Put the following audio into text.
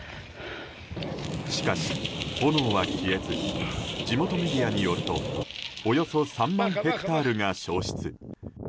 しかし、炎は消えず地元メディアによるとおよそ３万ヘクタールが焼失。